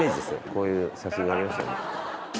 こういう写真がありましたよね。